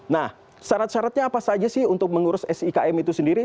nah syarat syaratnya apa saja sih untuk mengurus sikm itu sendiri